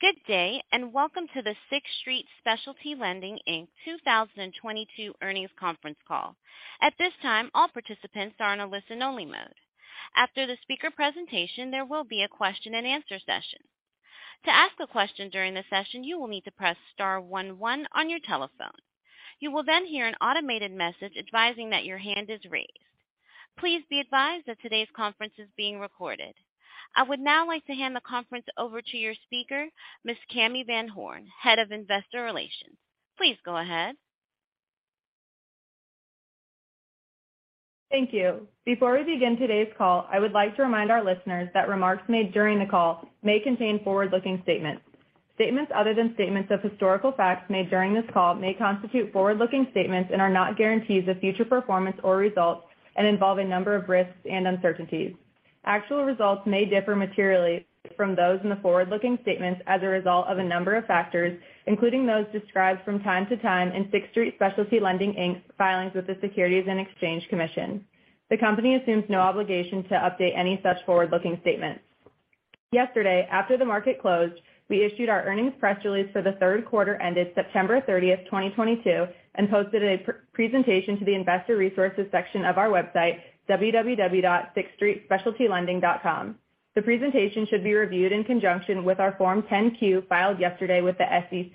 Good day, and welcome to the Sixth Street Specialty Lending, Inc 2022 earnings conference call. At this time, all participants are on a listen-only mode. After the speaker presentation, there will be a question-and-answer session. To ask a question during the session, you will need to press star one one on your telephone. You will then hear an automated message advising that your hand is raised. Please be advised that today's conference is being recorded. I would now like to hand the conference over to your speaker, Ms. Cami VanHorn, Head of Investor Relations. Please go ahead. Thank you. Before we begin today's call, I would like to remind our listeners that remarks made during the call may contain forward-looking statements. Statements other than statements of historical facts made during this call may constitute forward-looking statements and are not guarantees of future performance or results and involve a number of risks and uncertainties. Actual results may differ materially from those in the forward-looking statements as a result of a number of factors, including those described from time to time in Sixth Street Specialty Lending, Inc's filings with the Securities and Exchange Commission. The company assumes no obligation to update any such forward-looking statements. Yesterday, after the market closed, we issued our earnings press release for the third quarter ended September 30th, 2022, and posted a presentation to the investor resources section of our website, www.sixthstreetspecialtylending.com. The presentation should be reviewed in conjunction with our Form 10-Q filed yesterday with the SEC.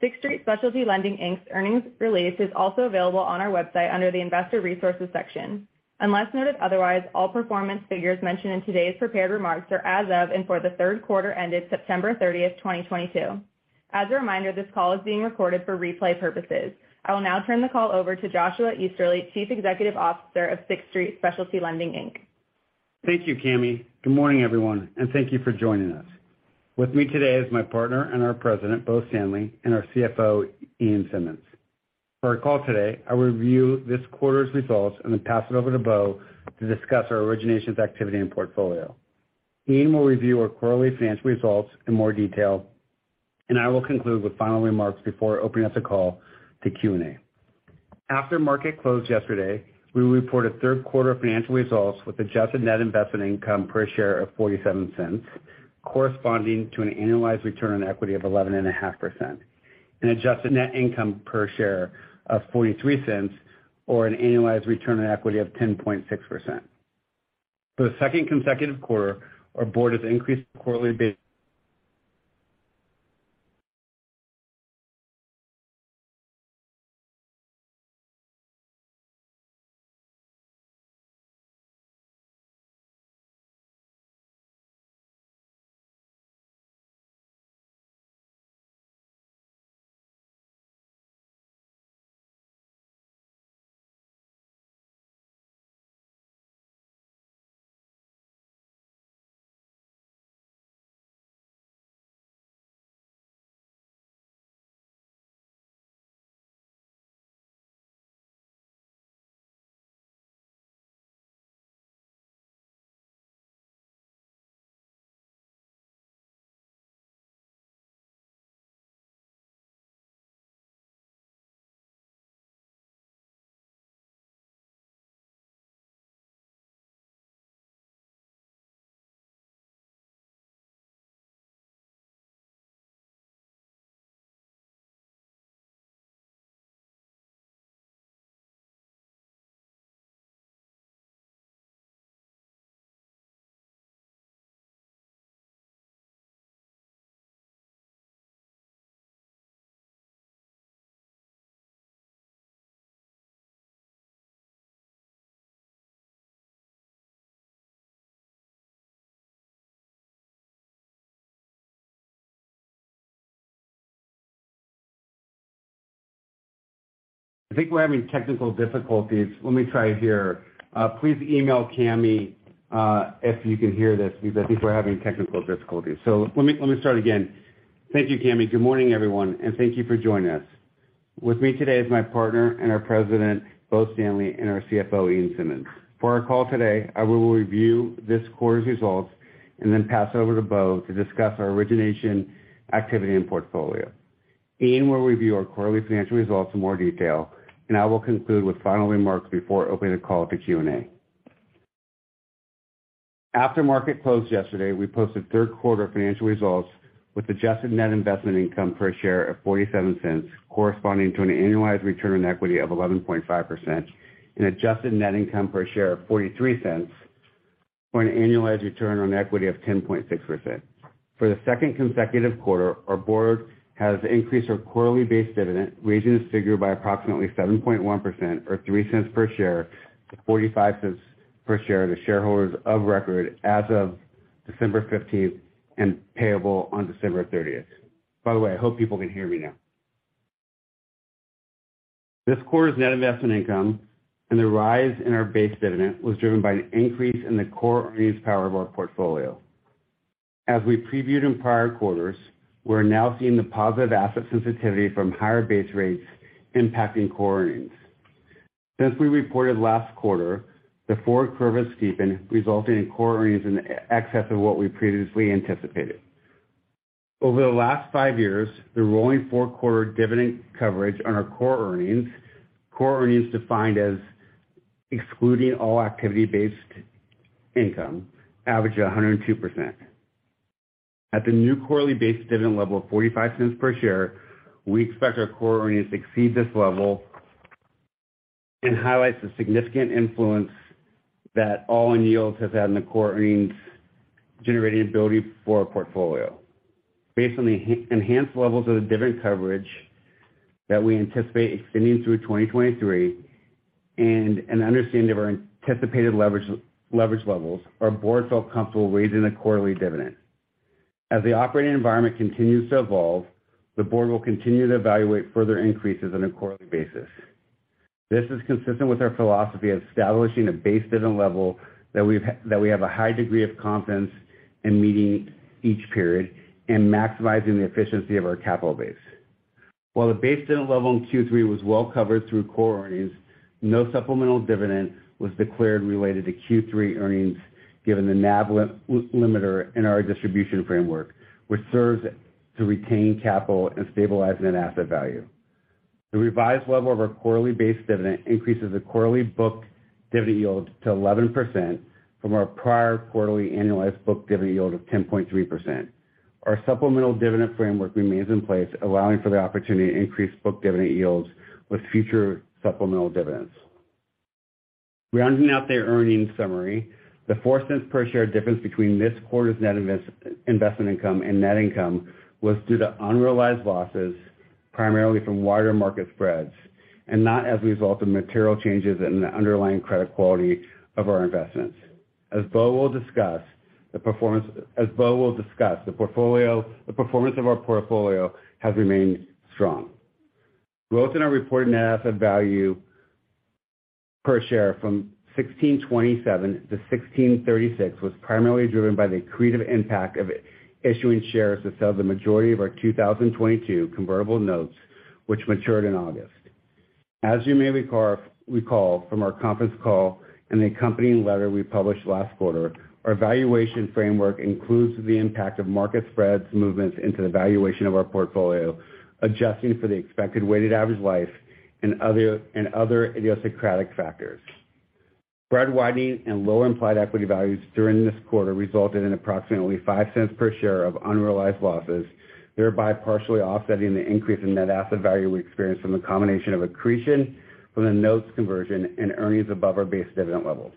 Sixth Street Specialty Lending, Inc.'s earnings release is also available on our website under the Investor Resources section. Unless noted otherwise, all performance figures mentioned in today's prepared remarks are as of and for the third quarter ended September 30th, 2022. As a reminder, this call is being recorded for replay purposes. I will now turn the call over to Joshua Easterly, Chief Executive Officer of Sixth Street Specialty Lending, Inc. Thank you, Cami. Good morning, everyone, and thank you for joining us. With me today is my partner and our President, Bo Stanley, and our CFO, Ian Simmonds. For our call today, I will review this quarter's results and then pass it over to Bo to discuss our originations activity and portfolio. Ian will review our quarterly financial results in more detail, and I will conclude with final remarks before opening up the call to Q&A. After the market closed yesterday, we reported third quarter financial results with adjusted net investment income per share of $0.47, corresponding to an annualized return on equity of 11.5%, and adjusted net income per share of $0.43 or an annualized return on equity of 10.6%. For the second consecutive quarter, our board has increased our quarterly base– I think we're having technical difficulties. Please email Cami if you can hear this because I think we're having technical difficulties. Let me start again. Thank you, Cami. Good morning, everyone, and thank you for joining us. With me today is my partner and our President, Bo Stanley, and our CFO, Ian Simmonds. For our call today, I will review this quarter's results and then pass over to Bo to discuss our origination activity and portfolio. Ian will review our quarterly financial results in more detail, and I will conclude with final remarks before opening the call to Q&A. After market closed yesterday, we posted third quarter financial results with adjusted net investment income per share of $0.47, corresponding to an annualized return on equity of 11.5% and adjusted net income per share of $0.43 or an annualized return on equity of 10.6%. For the second consecutive quarter, our board has increased our quarterly base dividend, raising this figure by approximately 7.1% or $0.03 per share to $0.45 per share to the shareholders of record as of December 15th and payable on December 30th. By the way, I hope people can hear me now. This quarter's net investment income and the rise in our base dividend was driven by an increase in the core earnings power of our portfolio. As we previewed in prior quarters, we're now seeing the positive asset sensitivity from higher base rates impacting core earnings. Since we reported last quarter, the forward curve has steepened, resulting in core earnings in excess of what we previously anticipated. Over the last five years, the rolling four-quarter dividend coverage on our core earnings, core earnings defined as excluding all activity-based income, averaged 102%. At the new quarterly base dividend level of $0.45 per share, we expect our core earnings to exceed this level and highlights the significant influence that all-in yields has had in the core earnings generating ability for our portfolio. Based on the enhanced levels of the dividend coverage that we anticipate extending through 2023 and an understanding of our anticipated leverage levels, our board felt comfortable raising the quarterly dividend. As the operating environment continues to evolve, the board will continue to evaluate further increases on a quarterly basis. This is consistent with our philosophy of establishing a base dividend level that we have a high degree of confidence in meeting each period and maximizing the efficiency of our capital base. While the base dividend level in Q3 was well covered through core earnings, no supplemental dividend was declared related to Q3 earnings, given the NAV limiter in our distribution framework, which serves to retain capital and stabilize net asset value. The revised level of our quarterly base dividend increases the quarterly book dividend yield to 11% from our prior quarterly annualized book dividend yield of 10.3%. Our supplemental dividend framework remains in place, allowing for the opportunity to increase book dividend yields with future supplemental dividends. Rounding out their earnings summary, the $0.04 per share difference between this quarter's net investment income and net income was due to unrealized losses, primarily from wider market spreads, and not as a result of material changes in the underlying credit quality of our investments. As Bo will discuss, the performance of our portfolio has remained strong. Growth in our reported net asset value per share from $16.27 to $16.36 was primarily driven by the accretive impact of issuing shares to sell the majority of our 2022 convertible notes, which matured in August. As you may recall from our conference call and the accompanying letter we published last quarter, our valuation framework includes the impact of market spreads movements into the valuation of our portfolio, adjusting for the expected weighted average life and other idiosyncratic factors. Spread widening and lower implied equity values during this quarter resulted in approximately $0.05 per share of unrealized losses, thereby partially offsetting the increase in net asset value we experienced from a combination of accretion from the notes conversion and earnings above our base dividend levels.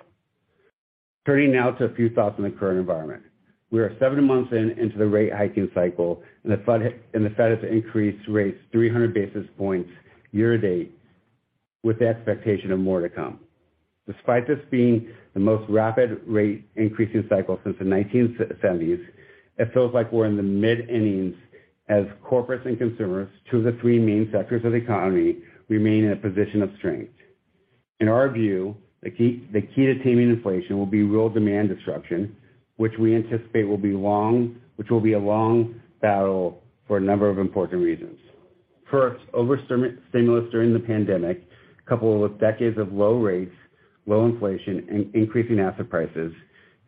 Turning now to a few thoughts on the current environment. We are seven months into the rate hiking cycle, and the Fed has increased rates 300 basis points year to date with the expectation of more to come. Despite this being the most rapid rate increase in cycle since the 1970s, it feels like we're in the mid-innings as corporates and consumers, two of the three main sectors of the economy, remain in a position of strength. In our view, the key to taming inflation will be real demand disruption, which we anticipate will be a long battle for a number of important reasons. First, over stimulus during the pandemic, coupled with decades of low rates, low inflation, increasing asset prices,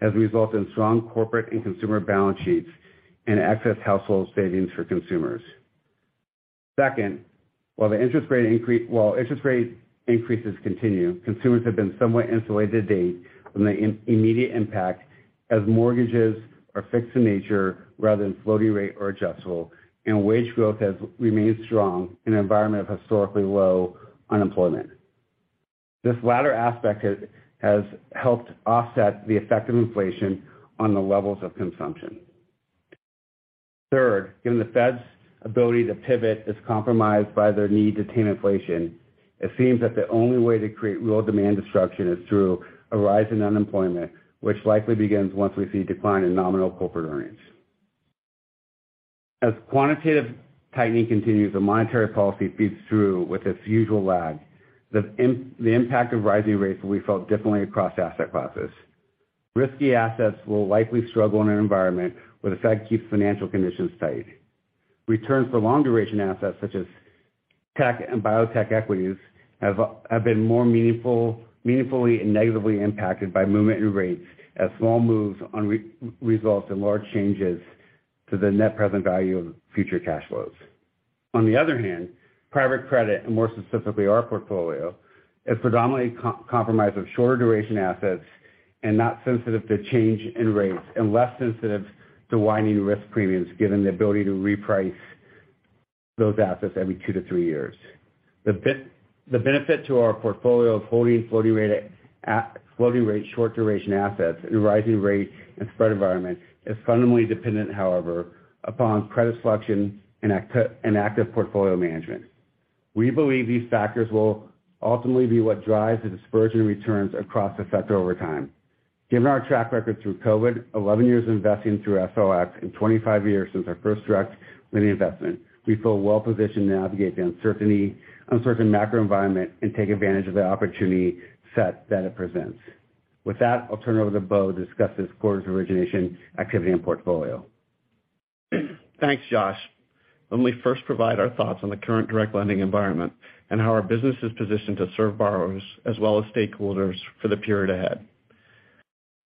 has resulted in strong corporate and consumer balance sheets and excess household savings for consumers. Second, while interest rate increases continue, consumers have been somewhat insulated to date from the immediate impact as mortgages are fixed in nature rather than floating rate or adjustable, and wage growth has remained strong in an environment of historically low unemployment. This latter aspect has helped offset the effect of inflation on the levels of consumption. Third, given the Fed's ability to pivot is compromised by their need to tame inflation, it seems that the only way to create real demand destruction is through a rise in unemployment, which likely begins once we see a decline in nominal corporate earnings. As quantitative tightening continues, the monetary policy feeds through with its usual lag. The impact of rising rates will be felt differently across asset classes. Risky assets will likely struggle in an environment where the Fed keeps financial conditions tight. Returns for long duration assets such as tech and biotech equities have been more meaningfully and negatively impacted by movement in rates as small moves result in large changes to the net present value of future cash flows. On the other hand, private credit, and more specifically our portfolio, is predominantly comprised of shorter duration assets and not sensitive to change in rates, and less sensitive to widening risk premiums, given the ability to reprice those assets every two to three years. The benefit to our portfolio of holding floating rate short duration assets in a rising rate and spread environment is fundamentally dependent, however, upon credit selection and active portfolio management. We believe these factors will ultimately be what drives the dispersion returns across the sector over time. Given our track record through COVID, 11 years of investing through cycles, and 25 years since our first direct lending investment, we feel well positioned to navigate the uncertain macro environment and take advantage of the opportunity set that it presents. With that, I'll turn it over to Bo to discuss this quarter's origination activity and portfolio. Thanks, Josh. Let me first provide our thoughts on the current direct lending environment and how our business is positioned to serve borrowers as well as stakeholders for the period ahead.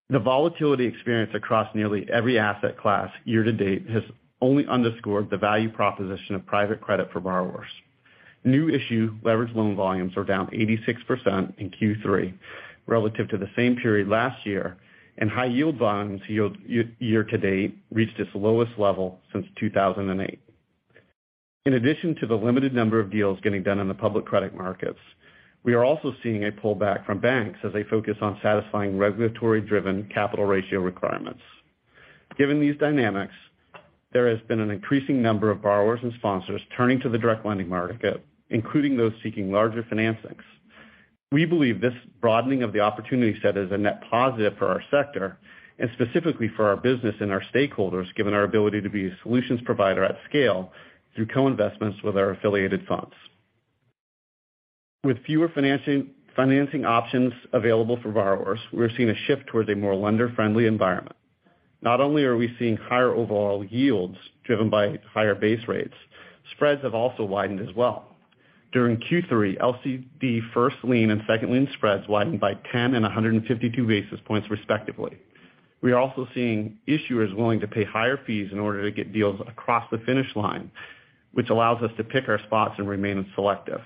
The volatility experienced across nearly every asset class year to date has only underscored the value proposition of private credit for borrowers. New issue leveraged loan volumes are down 86% in Q3 relative to the same period last year, and high-yield bond yields year to date reached its lowest level since 2008. In addition to the limited number of deals getting done in the public credit markets, we are also seeing a pullback from banks as they focus on satisfying regulatory-driven capital ratio requirements. Given these dynamics, there has been an increasing number of borrowers and sponsors turning to the direct lending market, including those seeking larger financings. We believe this broadening of the opportunity set is a net positive for our sector and specifically for our business and our stakeholders, given our ability to be a solutions provider at scale through co-investments with our affiliated funds. With fewer financing options available for borrowers, we're seeing a shift towards a more lender-friendly environment. Not only are we seeing higher overall yields driven by higher base rates, spreads have also widened as well. During Q3, LCD first lien and second lien spreads widened by 10 and 152 basis points respectively. We are also seeing issuers willing to pay higher fees in order to get deals across the finish line, which allows us to pick our spots and remain selective.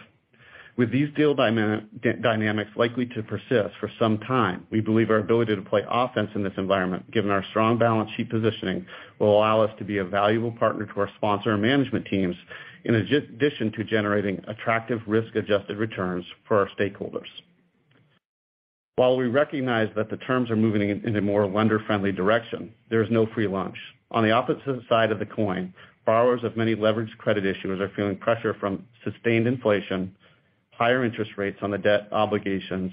With these deal dynamics likely to persist for some time, we believe our ability to play offense in this environment, given our strong balance sheet positioning, will allow us to be a valuable partner to our sponsor and management teams, in addition to generating attractive risk-adjusted returns for our stakeholders. While we recognize that the terms are moving into more lender-friendly direction, there is no free lunch. On the opposite side of the coin, borrowers of many leveraged credit issuers are feeling pressure from sustained inflation, higher interest rates on the debt obligations,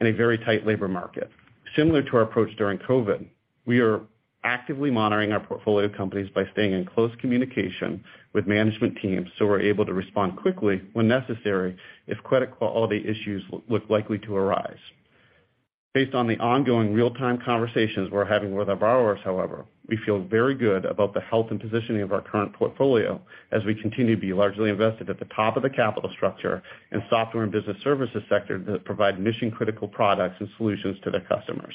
and a very tight labor market. Similar to our approach during COVID, we are actively monitoring our portfolio of companies by staying in close communication with management teams, so we're able to respond quickly when necessary if credit quality issues look likely to arise. Based on the ongoing real-time conversations we're having with our borrowers, however, we feel very good about the health and positioning of our current portfolio as we continue to be largely invested at the top of the capital structure and software and business services sector that provide mission-critical products and solutions to their customers.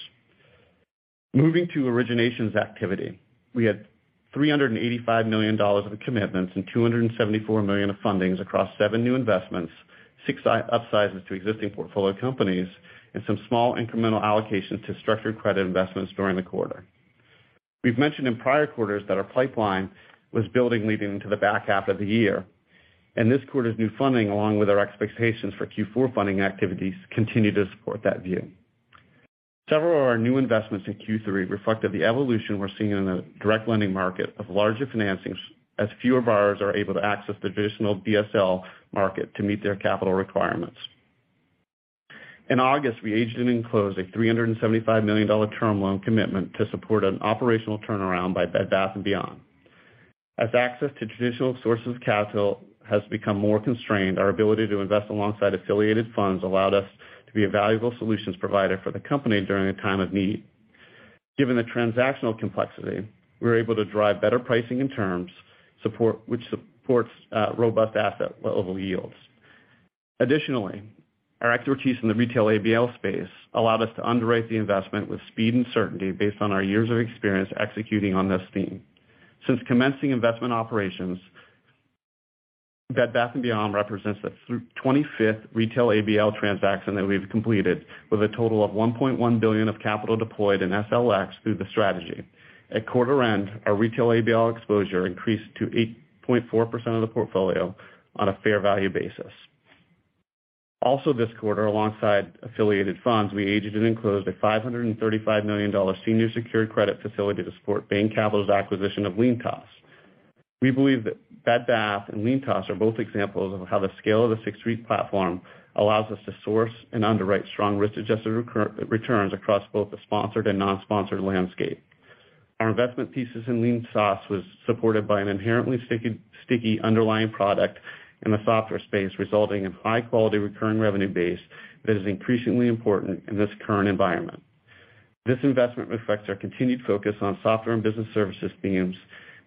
Moving to originations activity. We had $385 million of commitments and $274 million of fundings across seven new investments, six upsizes to existing portfolio companies, and some small incremental allocations to structured credit investments during the quarter. We've mentioned in prior quarters that our pipeline was building leading into the back half of the year, and this quarter's new funding, along with our expectations for Q4 funding activities, continue to support that view. Several of our new investments in Q3 reflect that the evolution we're seeing in the direct lending market of larger financings as fewer borrowers are able to access the traditional BSL market to meet their capital requirements. In August, we arranged and closed a $375 million term loan commitment to support an operational turnaround by Bed Bath & Beyond. As access to traditional sources of capital has become more constrained, our ability to invest alongside affiliated funds allowed us to be a valuable solutions provider for the company during a time of need. Given the transactional complexity, we were able to drive better pricing and terms, which supports robust asset-level yields. Additionally, our expertise in the retail ABL space allowed us to underwrite the investment with speed and certainty based on our years of experience executing on this theme. Since commencing investment operations, Bed Bath & Beyond represents the 25th retail ABL transaction that we've completed, with a total of $1.1 billion of capital deployed in SLX through the strategy. At quarter end, our retail ABL exposure increased to 8.4% of the portfolio on a fair value basis. Also, this quarter, alongside affiliated funds, we arranged and closed a $535 million senior secured credit facility to support Bain Capital's acquisition of LeanTaaS. We believe that Bed Bath & Beyond and LeanTaaS are both examples of how the scale of the Sixth Street platform allows us to source and underwrite strong risk-adjusted returns across both the sponsored and non-sponsored landscape. Our investment thesis in LeanTaaS was supported by an inherently sticky underlying product in the software space, resulting in high-quality recurring revenue base that is increasingly important in this current environment. This investment reflects our continued focus on software and business services themes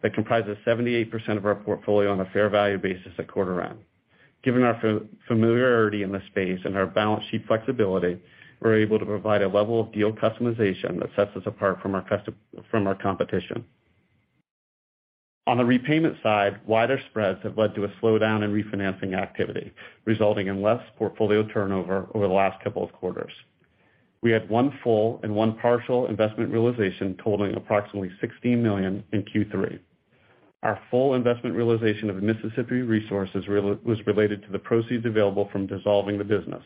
that comprise 78% of our portfolio on a fair value basis at quarter end. Given our familiarity in the space and our balance sheet flexibility, we're able to provide a level of deal customization that sets us apart from our competition. On the repayment side, wider spreads have led to a slowdown in refinancing activity, resulting in less portfolio turnover over the last couple of quarters. We had one full and one partial investment realization totaling approximately $16 million in Q3. Our full investment realization of Mississippi Resources was related to the proceeds available from dissolving the business.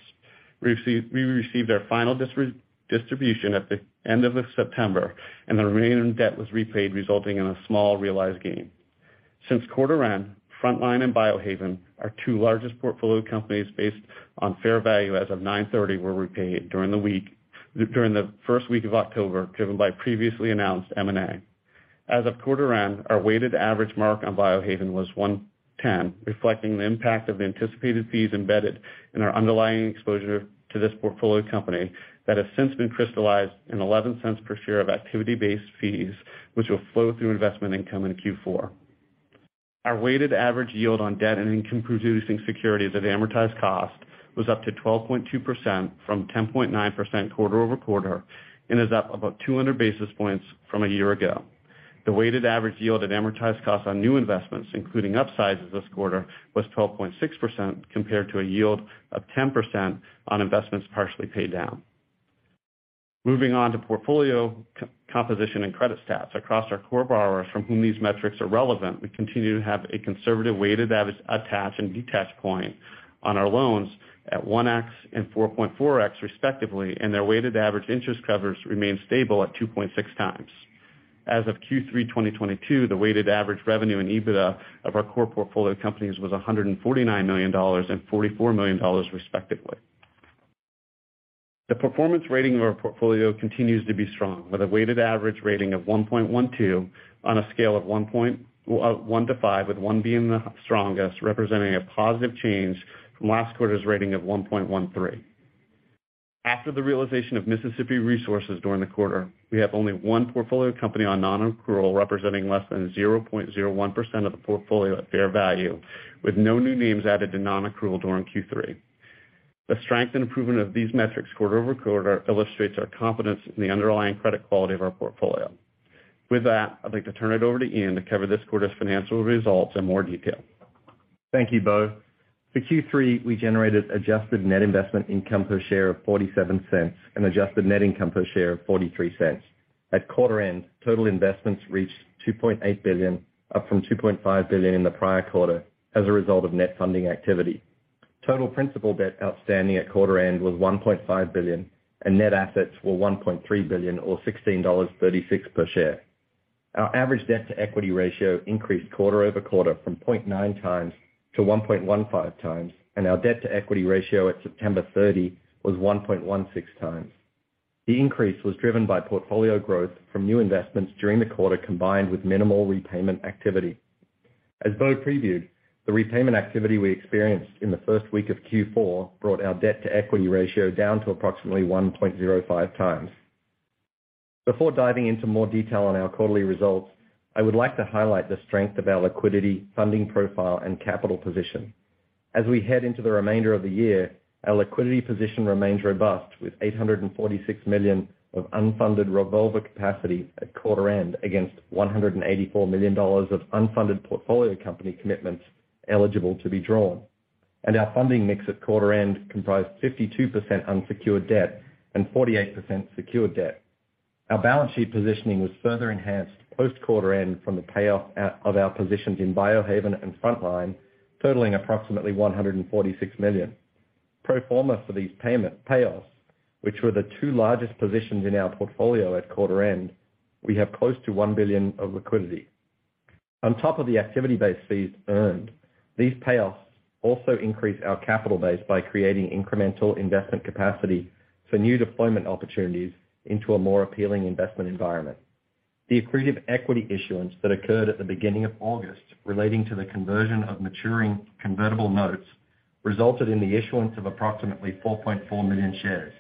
We received our final distribution at the end of September, and the remaining debt was repaid, resulting in a small realized gain. Since quarter end, Frontline and Biohaven, our two largest portfolio companies based on fair value as of 9/30, were repaid during the first week of October, driven by previously announced M&A. As of quarter end, our weighted average mark on Biohaven was 110, reflecting the impact of the anticipated fees embedded in our underlying exposure to this portfolio company that has since been crystallized in $0.11 per share of activity-based fees, which will flow through investment income in Q4. Our weighted average yield on debt and income producing securities at amortized cost was up to 12.2% from 10.9% quarter-over-quarter and is up about 200 basis points from a year ago. The weighted average yield at amortized cost on new investments, including upsizes this quarter, was 12.6% compared to a yield of 10% on investments partially paid down. Moving on to portfolio composition and credit stats. Across our core borrowers from whom these metrics are relevant, we continue to have a conservative weighted average attach and detach point on our loans at 1x and 4.4x respectively, and their weighted average interest covers remain stable at 2.6x. As of Q3 2022, the weighted average revenue and EBITDA of our core portfolio companies was $149 million and $44 million respectively. The performance rating of our portfolio continues to be strong with a weighted average rating of 1.12 on a scale of 1 point... 1 to 5, with 1 being the strongest, representing a positive change from last quarter's rating of 1.13. After the realization of Mississippi Resources during the quarter, we have only one portfolio company on non-accrual representing less than 0.01% of the portfolio at fair value, with no new names added to non-accrual during Q3. The strength and improvement of these metrics quarter-over-quarter illustrates our confidence in the underlying credit quality of our portfolio. With that, I'd like to turn it over to Ian to cover this quarter's financial results in more detail. Thank you, Bo. For Q3, we generated adjusted net investment income per share of $0.47 and adjusted net income per share of $0.43. At quarter end, total investments reached $2.8 billion, up from $2.5 billion in the prior quarter as a result of net funding activity. Total principal debt outstanding at quarter end was $1.5 billion, and net assets were $1.3 billion or $16.36 per share. Our average debt-to-equity ratio increased quarter-over-quarter from 0.9x to 1.15x, and our debt-to-equity ratio at September 30 was 1.16x. The increase was driven by portfolio growth from new investments during the quarter combined with minimal repayment activity. As Bo previewed, the repayment activity we experienced in the first week of Q4 brought our debt-to-equity ratio down to approximately 1.05x. Before diving into more detail on our quarterly results, I would like to highlight the strength of our liquidity funding profile and capital position. As we head into the remainder of the year, our liquidity position remains robust with $846 million of unfunded revolver capacity at quarter end against $184 million of unfunded portfolio company commitments eligible to be drawn. Our funding mix at quarter end comprised 52% unsecured debt and 48% secured debt. Our balance sheet positioning was further enhanced post-quarter end from the payoff out of our positions in Biohaven and Frontline, totaling approximately $146 million. Pro forma for these payment payoffs, which were the two largest positions in our portfolio at quarter end, we have close to $1 billion of liquidity. On top of the activity-based fees earned, these payoffs also increase our capital base by creating incremental investment capacity for new deployment opportunities into a more appealing investment environment. The accretive equity issuance that occurred at the beginning of August relating to the conversion of maturing convertible notes resulted in the issuance of approximately 4.4 million shares,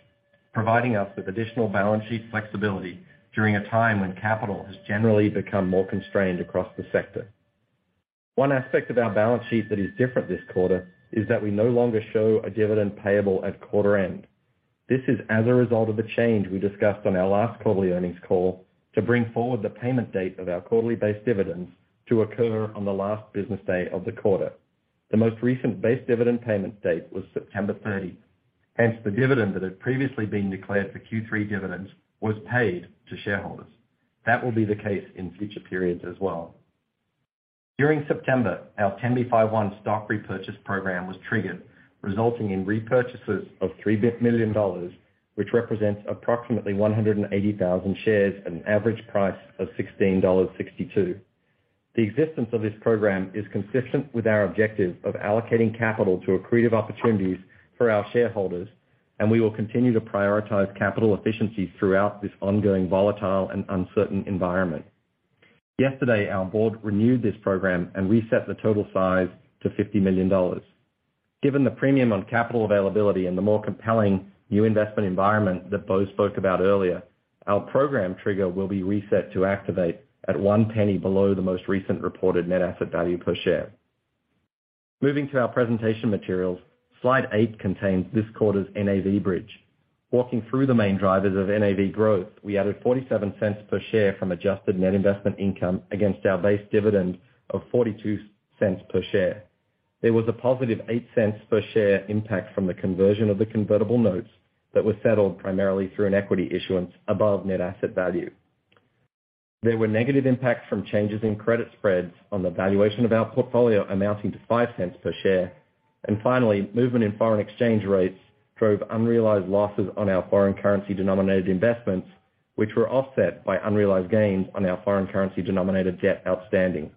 providing us with additional balance sheet flexibility during a time when capital has generally become more constrained across the sector. One aspect of our balance sheet that is different this quarter is that we no longer show a dividend payable at quarter end. This is as a result of the change we discussed on our last quarterly earnings call to bring forward the payment date of our quarterly based dividends to occur on the last business day of the quarter. The most recent base dividend payment date was September 30. Hence, the dividend that had previously been declared for Q3 dividends was paid to shareholders. That will be the case in future periods as well. During September, our 10b5-1 stock repurchase program was triggered, resulting in repurchases of $3 million, which represents approximately 180,000 shares at an average price of $16.62. The existence of this program is consistent with our objective of allocating capital to accretive opportunities for our shareholders, and we will continue to prioritize capital efficiency throughout this ongoing volatile and uncertain environment. Yesterday, our board renewed this program and reset the total size to $50 million. Given the premium on capital availability and the more compelling new investment environment that Bo spoke about earlier, our program trigger will be reset to activate at $0.01 below the most recent reported net asset value per share. Moving to our presentation materials. Slide eight contains this quarter's NAV bridge. Walking through the main drivers of NAV growth, we added $0.47 per share from adjusted net investment income against our base dividend of $0.42 per share. There was a positive $0.08 per share impact from the conversion of the convertible notes that were settled primarily through an equity issuance above net asset value. There were negative impacts from changes in credit spreads on the valuation of our portfolio amounting to $0.05 per share. Finally, movement in foreign exchange rates drove unrealized losses on our foreign currency denominated investments, which were offset by unrealized gains on our foreign currency denominated debt outstanding.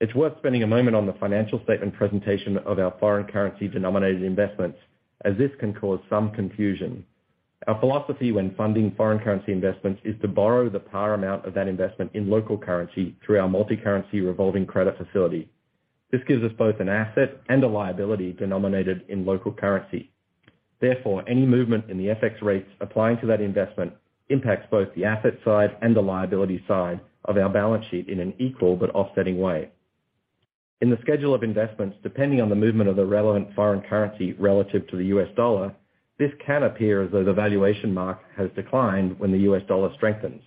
It's worth spending a moment on the financial statement presentation of our foreign currency denominated investments, as this can cause some confusion. Our philosophy when funding foreign currency investments is to borrow the par amount of that investment in local currency through our multicurrency revolving credit facility. This gives us both an asset and a liability denominated in local currency. Therefore, any movement in the FX rates applying to that investment impacts both the asset side and the liability side of our balance sheet in an equal but offsetting way. In the schedule of investments, depending on the movement of the relevant foreign currency relative to the US dollar, this can appear as though the valuation mark has declined when the US dollar strengthens.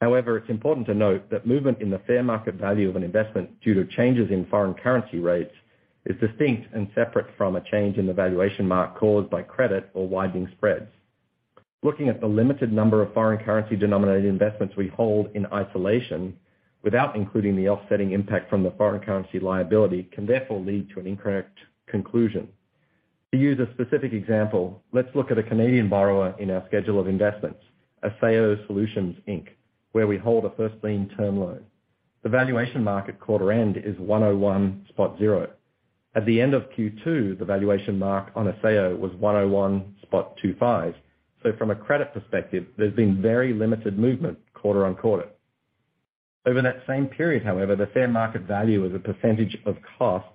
However, it's important to note that movement in the fair market value of an investment due to changes in foreign currency rates is distinct and separate from a change in the valuation mark caused by credit or widening spreads. Looking at the limited number of foreign currency denominated investments we hold in isolation without including the offsetting impact from the foreign currency liability, can therefore lead to an incorrect conclusion. To use a specific example, let's look at a Canadian borrower in our schedule of investments, Acceo Solutions Inc, where we hold a first lien term loan. The valuation mark quarter end is 101.0. At the end of Q2, the valuation mark on Acceo was 101.25. From a credit perspective, there's been very limited movement quarter-over-quarter. Over that same period, however, the fair market value as a percentage of cost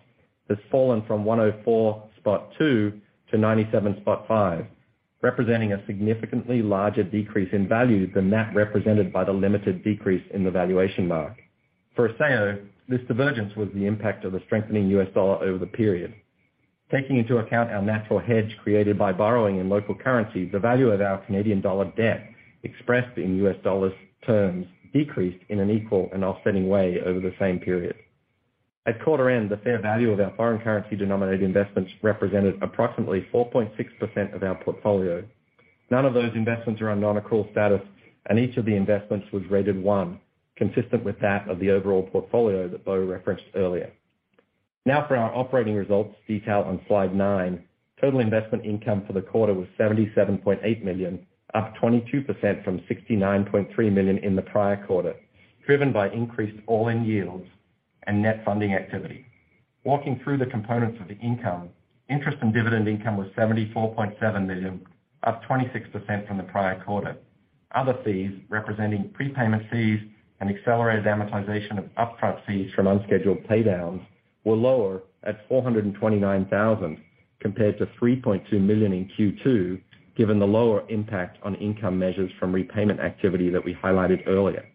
has fallen from 104.2 to 97.5, representing a significantly larger decrease in value than that represented by the limited decrease in the valuation mark. For Acceo, this divergence was the impact of the strengthening US dollar over the period. Taking into account our natural hedge created by borrowing in local currency, the value of our Canadian dollar debt expressed in US dollars terms decreased in an equal and offsetting way over the same period. At quarter end, the fair value of our foreign currency denominated investments represented approximately 4.6% of our portfolio. None of those investments are on non-accrual status, and each of the investments was rated one, consistent with that of the overall portfolio that Bo referenced earlier. Now for our operating results detailed on slide nine. Total investment income for the quarter was $77.8 million, up 22% from $69.3 million in the prior quarter, driven by increased all-in yields and net funding activity. Walking through the components of the income, interest and dividend income was $74.7 million, up 26% from the prior quarter. Other fees representing prepayment fees and accelerated amortization of upfront fees from unscheduled pay downs were lower at $429,000 compared to $3.2 million in Q2, given the lower impact on income measures from repayment activity that we highlighted earlier.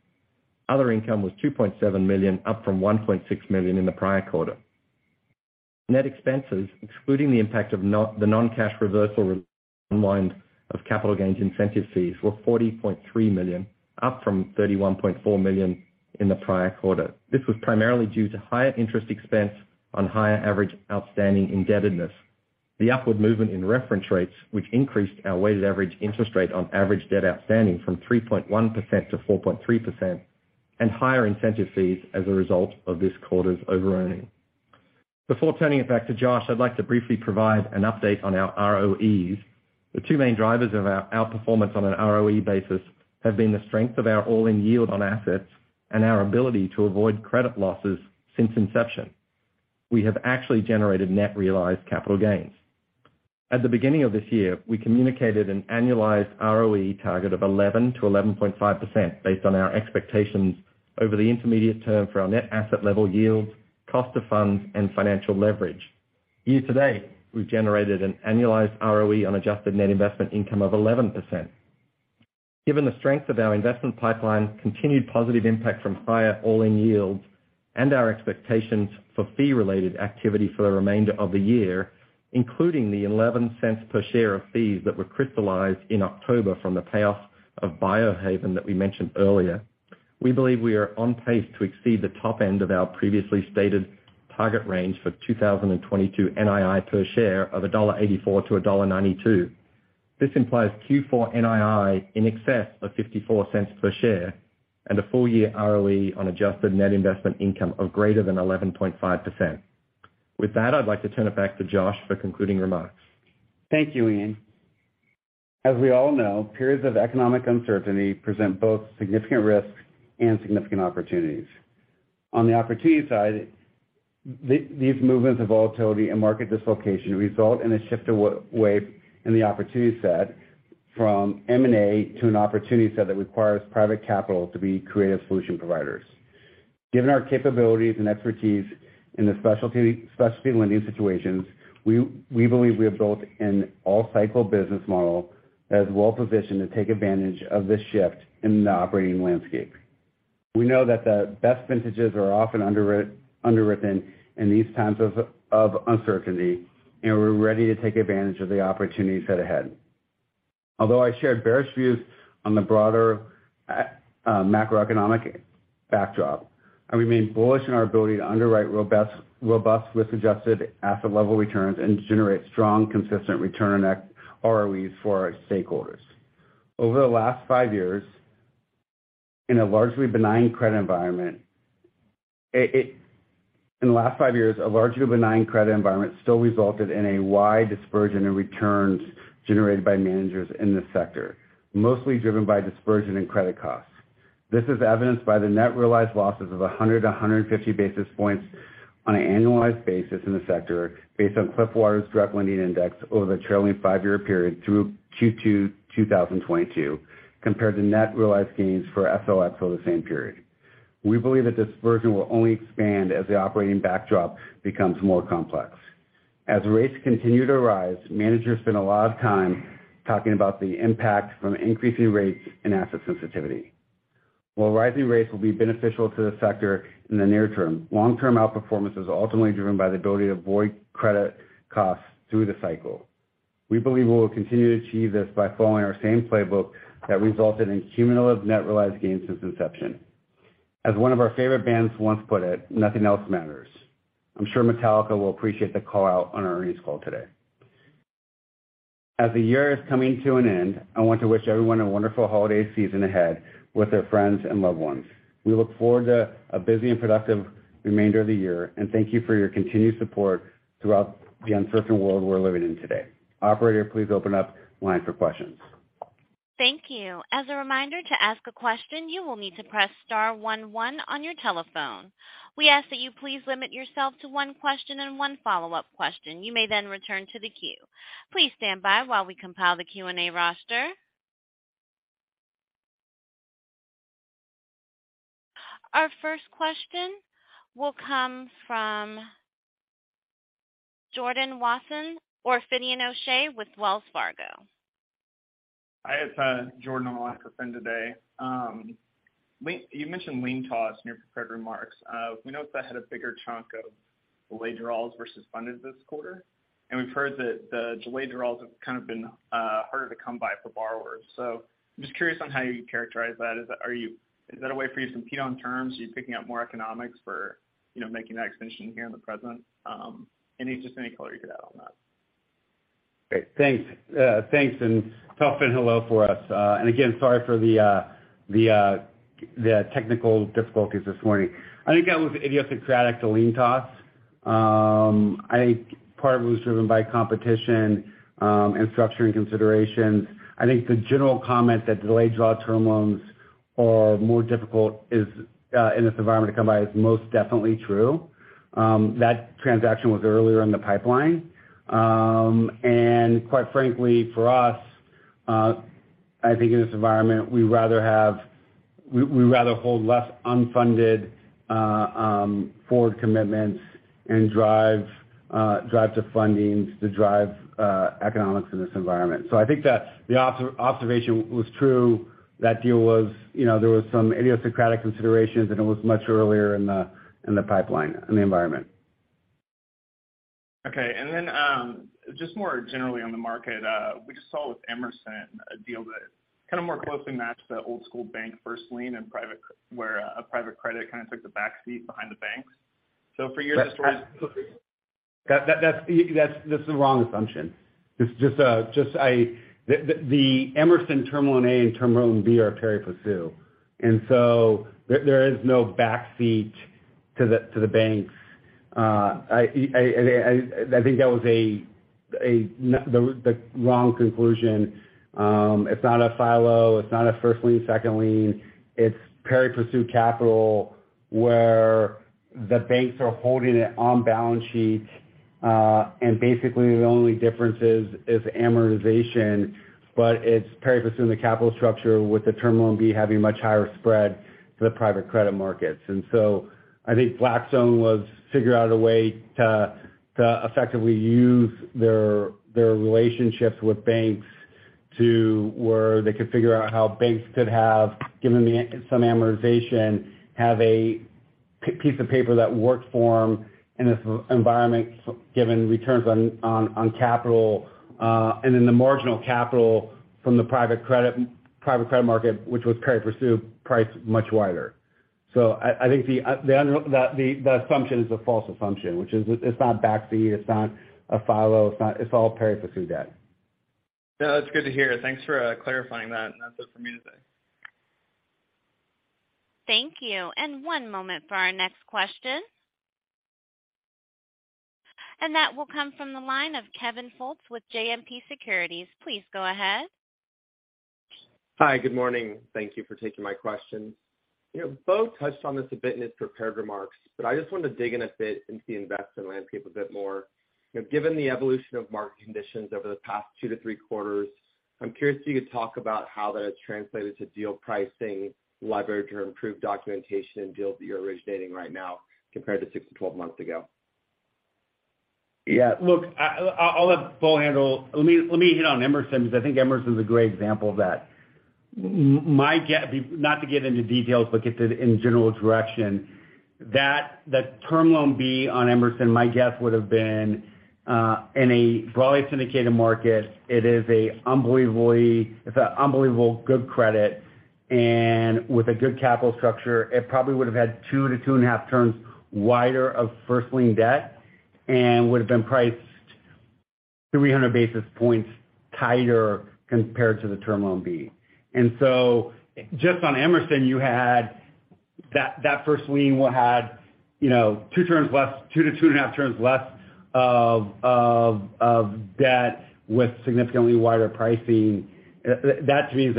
Other income was $2.7 million, up from $1.6 million in the prior quarter. Net expenses, excluding the impact of the non-cash reversal of capital gains incentive fees, were $40.3 million, up from $31.4 million in the prior quarter. This was primarily due to higher interest expense on higher average outstanding indebtedness, the upward movement in reference rates, which increased our weighted average interest rate on average debt outstanding from 3.1% to 4.3%, and higher incentive fees as a result of this quarter's overearning. Before turning it back to Josh, I'd like to briefly provide an update on our ROEs. The two main drivers of our outperformance on an ROE basis have been the strength of our all-in yield on assets and our ability to avoid credit losses since inception. We have actually generated net realized capital gains. At the beginning of this year, we communicated an annualized ROE target of 11%-11.5% based on our expectations over the intermediate term for our net asset level yields, cost of funds, and financial leverage. Year to date, we've generated an annualized ROE on adjusted net investment income of 11%. Given the strength of our investment pipeline, continued positive impact from higher all-in yields, and our expectations for fee-related activity for the remainder of the year, including the $0.11 per share of fees that were crystallized in October from the payoff of Biohaven that we mentioned earlier, we believe we are on pace to exceed the top end of our previously stated target range for 2022 NII per share of $1.84-$1.92. This implies Q4 NII in excess of $0.54 per share and a full year ROE on adjusted net investment income of greater than 11.5%. With that, I'd like to turn it back to Josh for concluding remarks. Thank you, Ian. As we all know, periods of economic uncertainty present both significant risks and significant opportunities. On the opportunity side, these movements of volatility and market dislocation result in a shift of way in the opportunity set from M&A to an opportunity set that requires private capital to be creative solution providers. Given our capabilities and expertise in the specialty lending situations, we believe we have built an all cycle business model that is well-positioned to take advantage of this shift in the operating landscape. We know that the best vintages are often underwritten in these times of uncertainty, and we're ready to take advantage of the opportunities set ahead. Although I shared bearish views on the broader macroeconomic backdrop, I remain bullish in our ability to underwrite robust risk-adjusted asset level returns and generate strong, consistent return on ROEs for our stakeholders. Over the last five years, in a largely benign credit environment, still resulted in a wide dispersion in returns generated by managers in this sector, mostly driven by dispersion in credit costs. This is evidenced by the net realized losses of 100-150 basis points on an annualized basis in the sector based on Cliffwater's Direct Lending Index over the trailing five-year period through Q2 2022, compared to net realized gains for SLX over the same period. We believe that this variance will only expand as the operating backdrop becomes more complex. As rates continue to rise, managers spend a lot of time talking about the impact from increasing rates and asset sensitivity. While rising rates will be beneficial to the sector in the near term, long-term outperformance is ultimately driven by the ability to avoid credit costs through the cycle. We believe we will continue to achieve this by following our same playbook that resulted in cumulative net realized gains since inception. As one of our favorite bands once put it, nothing else matters. I'm sure Metallica will appreciate the call out on our earnings call today. As the year is coming to an end, I want to wish everyone a wonderful holiday season ahead with their friends and loved ones. We look forward to a busy and productive remainder of the year, and thank you for your continued support throughout the uncertain world we're living in today. Operator, please open up line for questions. Thank you. As a reminder, to ask a question, you will need to press star one one on your telephone. We ask that you please limit yourself to one question and one follow-up question. You may then return to the queue. Please stand by while we compile the Q&A roster. Our first question will come from Jordan Wathen for Finian O'Shea with Wells Fargo. Hi, it's Jordan Wathen for Finn today. You mentioned LeanTaaS in your prepared remarks. We note that had a bigger chunk of delayed draws versus funded this quarter. We've heard that the delayed draws have kind of been harder to come by for borrowers. I'm just curious on how you characterize that. Is that a way for you to compete on terms? Are you picking up more economics for, you know, making that extension here in the present? Any, just any color you could add on that. Great. Thanks. Thanks, and tell Finn hello for us. Again, sorry for the technical difficulties this morning. I think that was idiosyncratic to LeanTaaS. I think part of it was driven by competition, and structuring considerations. I think the general comment that delayed draw term loans are more difficult is, in this environment to come by is most definitely true. That transaction was earlier in the pipeline. And quite frankly, for us, I think in this environment, we rather hold less unfunded forward commitments and drive to funding to drive economics in this environment. I think that the observation was true. That deal was, there was some idiosyncratic considerations, and it was much earlier in the pipeline, in the environment. Okay. Just more generally on the market, we just saw with Emerson a deal that kind of more closely matched the old school bank first lien and private credit where a private credit kind of took the back seat behind the banks. So for your– That's the wrong assumption. It's just the Emerson Term Loan A and Term Loan B are pari passu. There is no back seat to the banks. I think that was the wrong conclusion. It's not a FILO. It's not a first lien, second lien. It's pari passu capital, where the banks are holding it on balance sheets. Basically, the only difference is amortization, but it's pari passu in the capital structure with the Term Loan B having much higher spread to the private credit markets. I think Blackstone was figured out a way to effectively use their relationships with banks to where they could figure out how banks could have, given some amortization, have a piece of paper that worked for them in this environment given returns on capital, and then the marginal capital from the private credit market, which was pari passu priced much wider. I think the assumption is a false assumption, which is it's not back seat, it's not a FILO, it's all pari passu debt. No, that's good to hear. Thanks for clarifying that. That's it for me today. Thank you. One moment for our next question. That will come from the line of Kevin Fultz with JMP Securities. Please go ahead. Hi, good morning. Thank you for taking my question. You know, Bo touched on this a bit in his prepared remarks, but I just wanted to dig in a bit into the investment landscape a bit more. You know, given the evolution of market conditions over the past two to three quarters, I'm curious if you could talk about how that has translated to deal pricing, liability term improved documentation, and deals that you're originating right now compared to six to 12 months ago. Yeah. Look, I'll let Bo handle. Let me hit on Emerson because I think Emerson is a great example of that. Not to get into details, but get to it in general direction, the Term Loan B on Emerson, my guess would have been, in a broadly syndicated market, it's an unbelievable good credit. With a good capital structure, it probably would have had 2-2.5 turns wider of first lien debt and would have been priced 300 basis points tighter compared to the Term Loan B. Just on Emerson, you had that first lien had, you know, 2 turns less, 2-2.5 turns less of debt with significantly wider pricing. That to me is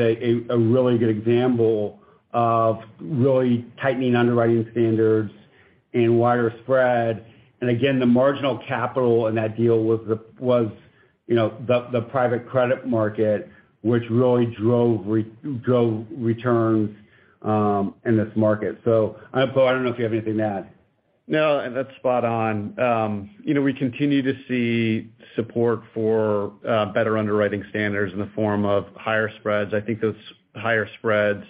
a really good example of really tightening underwriting standards and wider spread. Again, the marginal capital in that deal was the private credit market, which really drove returns in this market. Bo, I don't know if you have anything to add. No, that's spot on. We continue to see support for better underwriting standards in the form of higher spreads. I think those higher spreads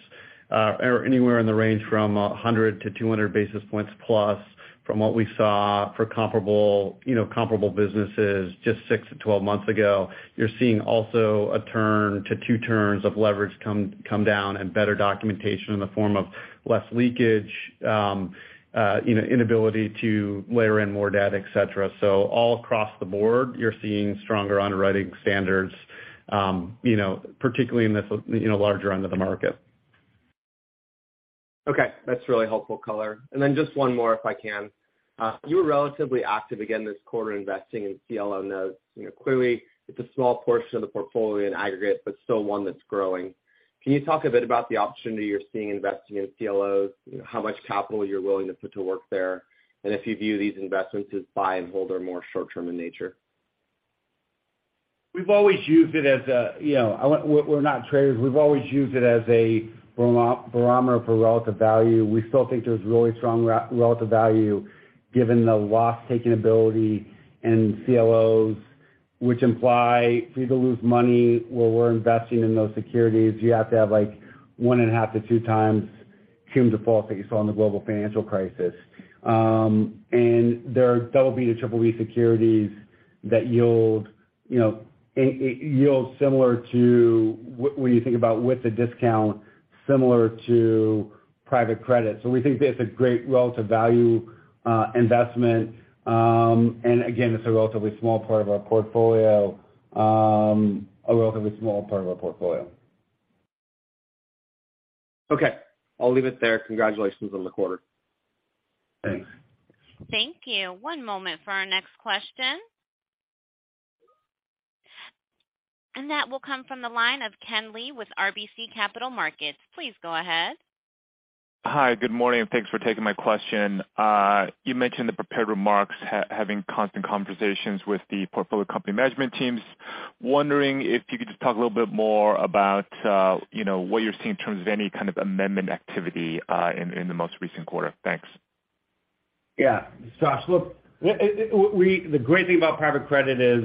are anywhere in the range from 100-200 basis points plus from what we saw for comparable, you know, comparable businesses just six to 12 months ago. You're seeing also a turn to 2 turns of leverage come down and better documentation in the form of less leakage, inability to layer in more debt, et cetera. All across the board, you're seeing stronger underwriting standards, you know, particularly in this, you know, larger end of the market. Okay. That's really helpful color. Just one more, if I can. You were relatively active again this quarter investing in CLO notes. You know, clearly it's a small portion of the portfolio in aggregate, but still one that's growing. Can you talk a bit about the opportunity you're seeing investing in CLOs? How much capital you're willing to put to work there? If you view these investments as buy and hold or more short-term in nature. You know, we're not traders. We've always used it as a barometer for relative value. We still think there's really strong relative value given the loss taking ability in CLOs, which imply for you to lose money where we're investing in those securities, you have to have, like, 1.5-2x cum default that you saw in the global financial crisis. And there are double B to triple B securities that yield, you know, a yield similar to when you think about with the discount, similar to private credit. We think that's a great relative value investment. And again, it's a relatively small part of our portfolio. Okay. I'll leave it there. Congratulations on the quarter. Thanks. Thank you. One moment for our next question. That will come from the line of Kenneth Lee with RBC Capital Markets. Please go ahead. Hi, good morning, and thanks for taking my question. You mentioned in the prepared remarks having constant conversations with the portfolio company management teams. Wondering if you could just talk a little bit more about, you know, what you're seeing in terms of any kind of amendment activity, in the most recent quarter. Thanks. Yeah. Look, the great thing about private credit is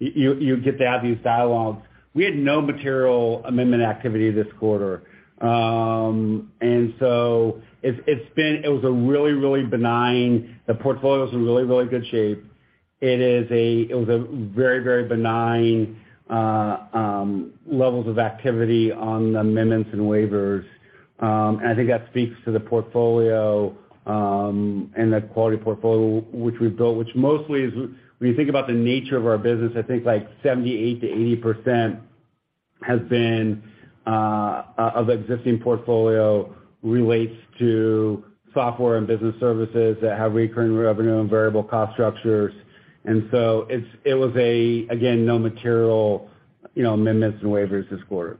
you get to have these dialogues. We had no material amendment activity this quarter. It's been a really benign. The portfolio is in really good shape. It was a very benign levels of activity on amendments and waivers. I think that speaks to the portfolio and the quality of portfolio which we've built, which mostly is when you think about the nature of our business, I think like 78%-80% has been of existing portfolio relates to software and business services that have recurring revenue and variable cost structures. It's a, again, no material, you know, amendments and waivers this quarter.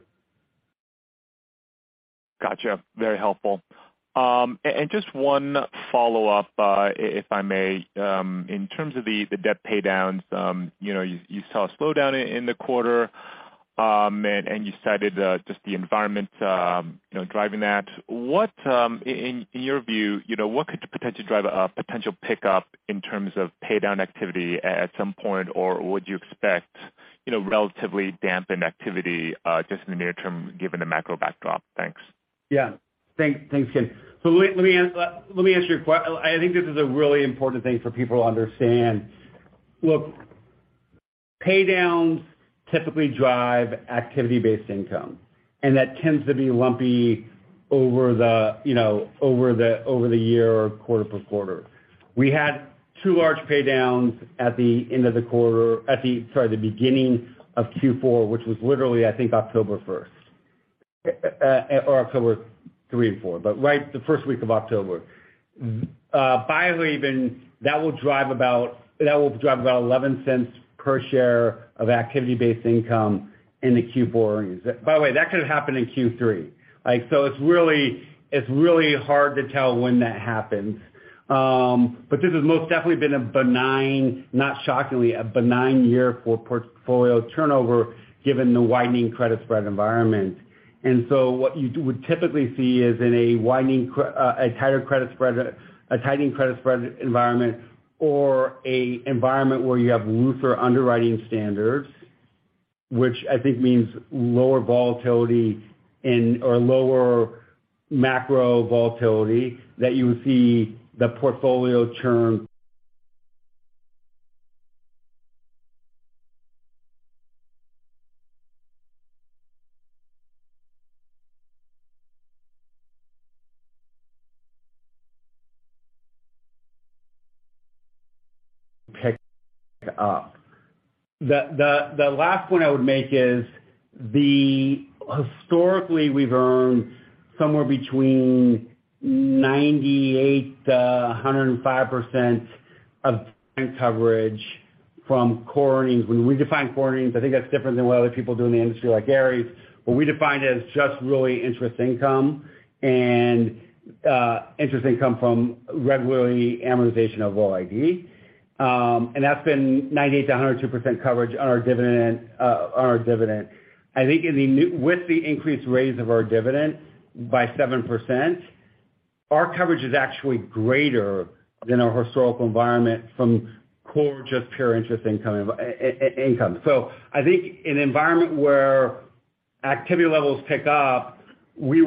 Gotcha. Very helpful. Just one follow-up, if I may. In terms of the debt pay downs, you know, you saw a slowdown in the quarter, and you cited just the environment, you know, driving that. What, in your view, you know, what could potentially drive a potential pickup in terms of pay down activity at some point, or would you expect, you know, relatively dampened activity just in the near term given the macro backdrop? Thanks. Yeah. Thanks, Ken. Let me answer your question. I think this is a really important thing for people to understand. Look, pay downs typically drive activity-based income, and that tends to be lumpy over the year or quarter per quarter. We had two large pay downs at the end of the quarter, sorry, the beginning of Q4, which was literally, I think October 1st or October 3 and 4. But right in the first week of October. That will drive about $0.11 per share of activity-based income into Q4 earnings. By the way, that could have happened in Q3. Like, it's really hard to tell when that happens. This has most definitely been a benign, not shockingly, a benign year for portfolio turnover given the widening credit spread environment. What you would typically see is in a tighter credit spread, a tightening credit spread environment or an environment where you have looser underwriting standards, which I think means lower volatility and or lower macro volatility that you would see the portfolio churn pick up. The last point I would make is historically, we've earned somewhere between 98%-105% of coverage from core earnings. When we define core earnings, I think that's different than what other people do in the industry like Gary. We define it as just really interest income and interest income from regular amortization of OID. And that's been 98%-102% coverage on our dividend. I think with the increased raise of our dividend by 7%, our coverage is actually greater than our historical environment from core, just pure interest income. I think in an environment where activity levels pick up, we're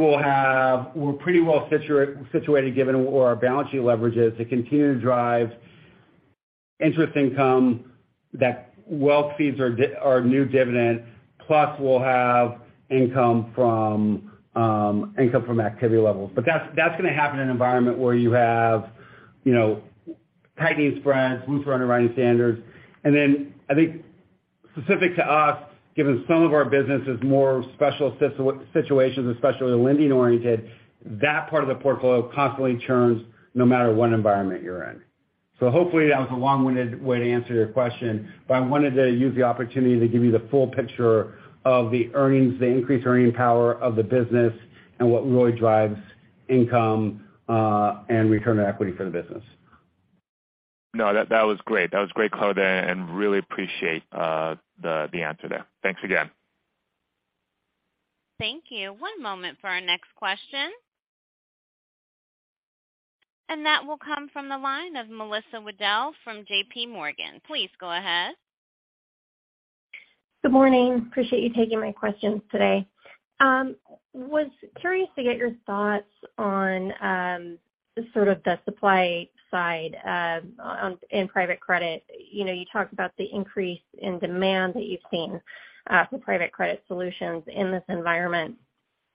pretty well situated, given where our balance sheet leverage is, to continue to drive interest income that well feeds our new dividend, plus we'll have income from activity levels. That's gonna happen in an environment where you have, you know, tightening spreads, looser underwriting standards. I think specific to us, given some of our business is more special situations, especially lending oriented, that part of the portfolio constantly churns no matter what environment you're in. Hopefully that was a long-winded way to answer your question, but I wanted to use the opportunity to give you the full picture of the earnings, the increased earning power of the business, and what really drives income, and return on equity for the business. No, that was great. That was great color, and really appreciate the answer there. Thanks again. Thank you. One moment for our next question. That will come from the line of Melissa Wedel from JPMorgan. Please go ahead. Good morning. Appreciate you taking my questions today. Was curious to get your thoughts on, sort of the supply side, on, in private credit. You know, you talked about the increase in demand that you've seen, for private credit solutions in this environment.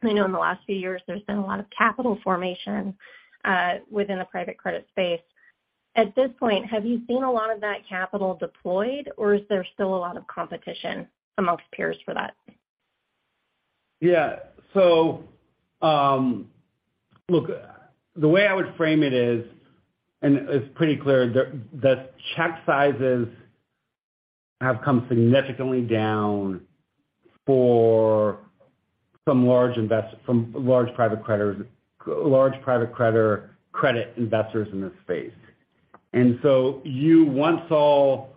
I know in the last few years there's been a lot of capital formation, within the private credit space. At this point, have you seen a lot of that capital deployed, or is there still a lot of competition amongst peers for that? Yeah. Look, the way I would frame it is, and it's pretty clear the check sizes have come significantly down for some large private credit investors in this space. You once saw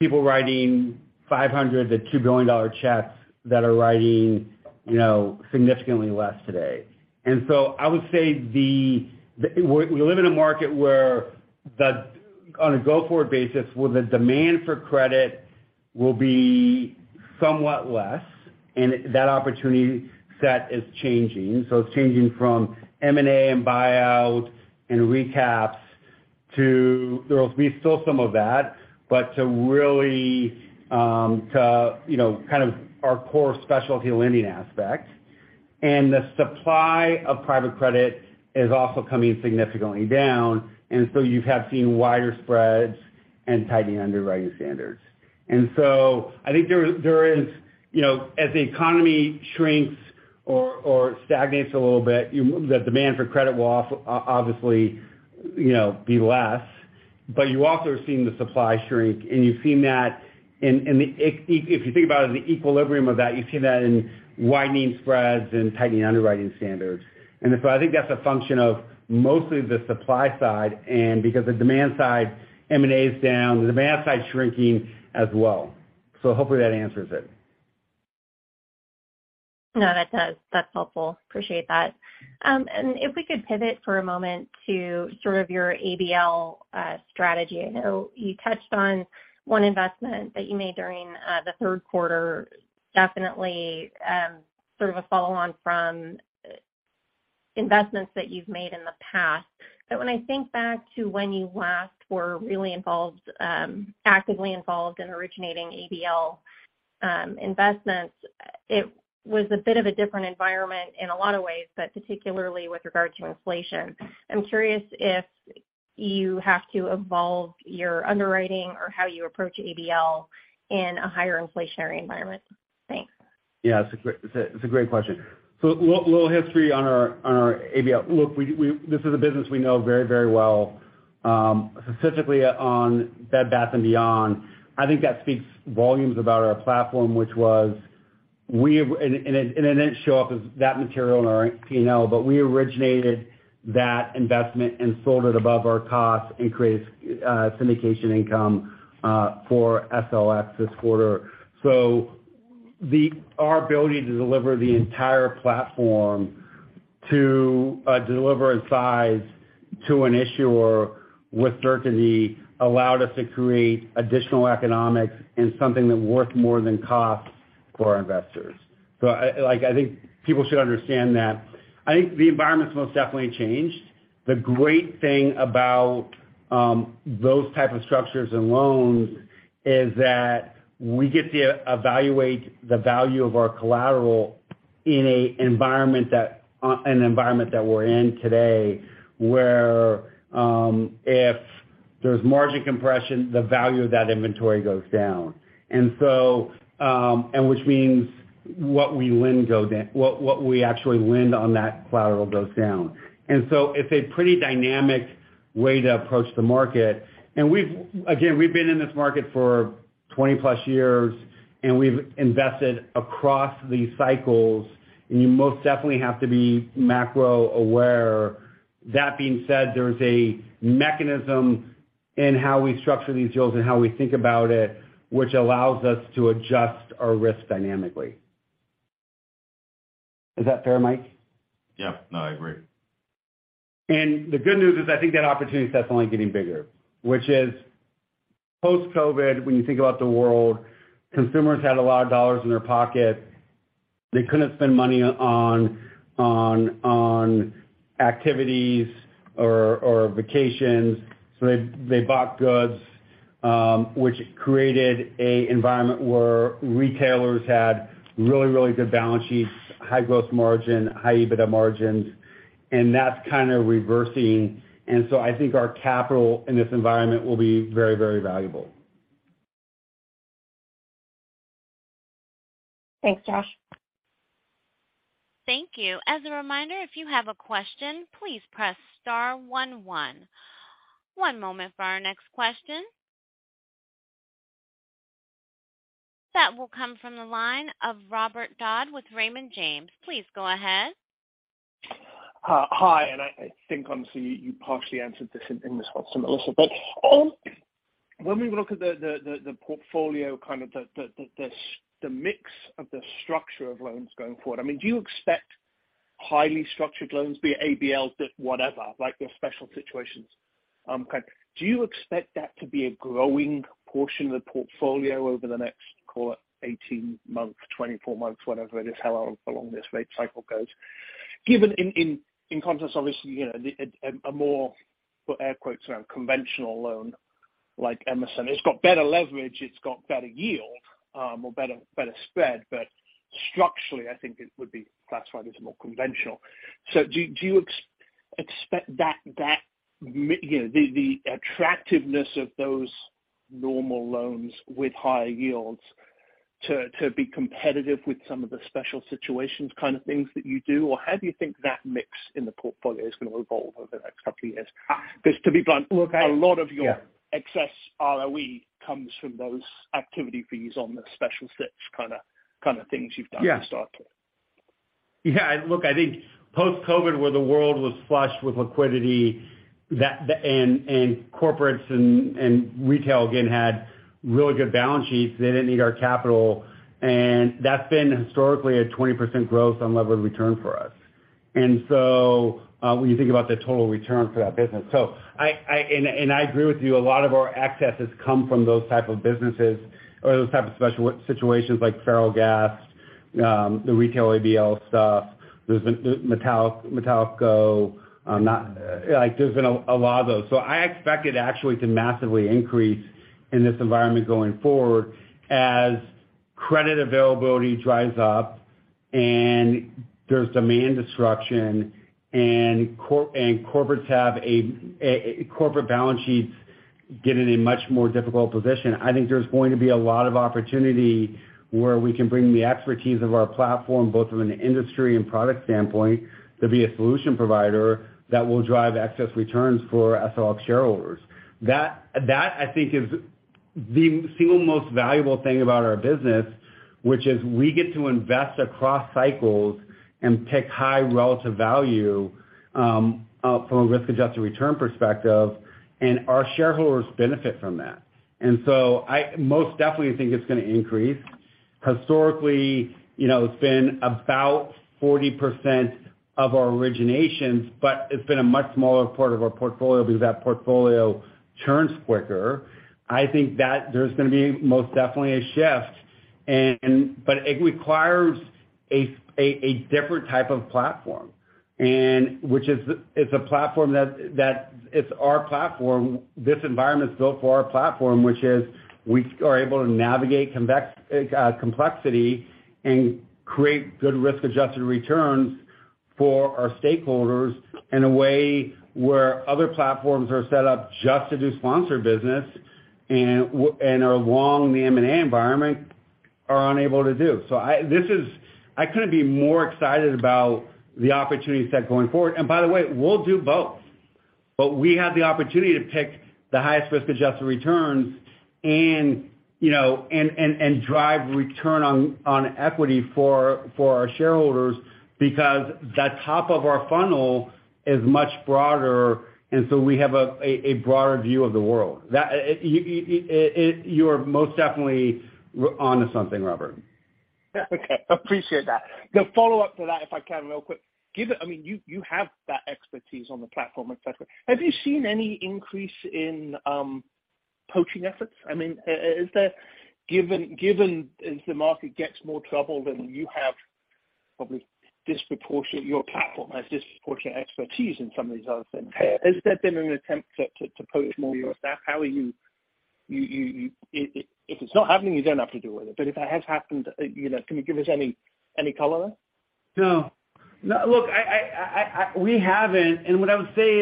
people writing $500-$2 billion checks that are writing, you know, significantly less today. I would say the. We live in a market where, on a go-forward basis, the demand for credit will be somewhat less, and that opportunity set is changing. It's changing from M&A and buyout and recaps to. There'll be still some of that, but to really you know kind of our core specialty lending aspect. The supply of private credit is also coming significantly down, and so you have seen wider spreads and tightening underwriting standards. I think there is, you know, as the economy shrinks or stagnates a little bit, the demand for credit will also obviously, you know, be less. But you also are seeing the supply shrink, and you've seen that in, if you think about it, the equilibrium of that, you see that in widening spreads and tightening underwriting standards. I think that's a function of mostly the supply side, and because the demand side, M&A is down, the demand side is shrinking as well. Hopefully that answers it. No, that does. That's helpful. Appreciate that. If we could pivot for a moment to sort of your ABL strategy. I know you touched on one investment that you made during the third quarter, definitely sort of a follow on from investments that you've made in the past. When I think back to when you last were really involved, actively involved in originating ABL investments, it was a bit of a different environment in a lot of ways, but particularly with regard to inflation. I'm curious if you have to evolve your underwriting or how you approach ABL in a higher inflationary environment. Thanks. Yeah. It's a great question. Little history on our ABL. This is a business we know very, very well, specifically on Bed Bath & Beyond. I think that speaks volumes about our platform. It didn't show up as that material in our P&L, but we originated that investment and sold it above our cost and created syndication income for SLF this quarter. Our ability to deliver the entire platform to deliver in size to an issuer with certainty allowed us to create additional economics and something that worked more than cost for our investors. Like, I think people should understand that. I think the environment's most definitely changed. The great thing about those type of structures and loans is that we get to evaluate the value of our collateral in an environment that we're in today, where if there's margin compression, the value of that inventory goes down. Which means what we lend go down, what we actually lend on that collateral goes down. It's a pretty dynamic way to approach the market. We've again been in this market for 20+ years, and we've invested across the cycles, and you most definitely have to be macro aware. That being said, there's a mechanism in how we structure these deals and how we think about it, which allows us to adjust our risk dynamically. Is that fair, Mike? Yeah. No, I agree. The good news is I think that opportunity is definitely getting bigger, which is post-COVID, when you think about the world, consumers had a lot of dollars in their pocket. They couldn't spend money on activities or vacations, so they bought goods, which created an environment where retailers had really good balance sheets, high gross margin, high EBITDA margins, and that's kinda reversing. I think our capital in this environment will be very valuable. Thanks, Josh. Thank you. As a reminder, if you have a question, please press star one one. One moment for our next question. That will come from the line of Robert Dodd with Raymond James. Please go ahead. Hi, I think obviously you partially answered this in response to Melissa. When we look at the portfolio, kind of the mix of the structure of loans going forward, I mean, do you expect highly structured loans, be it ABLs, just whatever, like your special situations. Do you expect that to be a growing portion of the portfolio over the next, call it 18 months, 24 months, whatever it is, however long this rate cycle goes? Given in context, obviously, you know, a more "conventional loan" like Emerson. It's got better leverage, it's got better yield, or better spread, but structurally, I think it would be classified as more conventional. Do you expect, you know, the attractiveness of those normal loans with higher yields to be competitive with some of the special situations kind of things that you do? Or how do you think that mix in the portfolio is gonna evolve over the next couple of years? Because to be blunt. Okay. Yeah A lot of your excess ROE comes from those activity fees on the special situations kinda things you've done to start with. Yeah. Yeah. Look, I think post-COVID, where the world was flushed with liquidity, that and corporates and retail again had really good balance sheets. They didn't need our capital. That's been historically a 20% growth on level of return for us. When you think about the total return for that business. I agree with you. A lot of our access has come from those type of businesses or those type of special situations like Ferrellgas, the retail ABL stuff. There's Metalico. Like, there's been a lot of those. I expect it actually to massively increase in this environment going forward as credit availability dries up and there's demand disruption and corporates have corporate balance sheets get in a much more difficult position. I think there's going to be a lot of opportunity where we can bring the expertise of our platform, both from an industry and product standpoint, to be a solution provider that will drive excess returns for SLX shareholders. That I think is the single most valuable thing about our business, which is we get to invest across cycles and pick high relative value, from a risk-adjusted return perspective, and our shareholders benefit from that. I most definitely think it's gonna increase. Historically, you know, it's been about 40% of our originations, but it's been a much smaller part of our portfolio because that portfolio churns quicker. I think that there's gonna be most definitely a shift but it requires a different type of platform which is it's a platform that it's our platform. This environment is built for our platform, which is we are able to navigate complexity and create good risk-adjusted returns for our stakeholders in a way where other platforms are set up just to do sponsor business and are along the M&A environment are unable to do. I couldn't be more excited about the opportunity set going forward. By the way, we'll do both. We have the opportunity to pick the highest risk-adjusted returns and, you know, and drive return on equity for our shareholders because the top of our funnel is much broader, and so we have a broader view of the world. You're most definitely onto something, Robert. Okay. Appreciate that. The follow-up to that, if I can real quick. Given I mean, you have that expertise on the platform, et cetera. Have you seen any increase in poaching efforts? I mean, is there given as the market gets more troubled and you have probably disproportionate your platform has disproportionate expertise in some of these other things, has there been an attempt to poach more of your staff? How are you If it's not happening, you don't have to deal with it. But if it has happened, you know, can you give us any color? No, look, we haven't. What I would say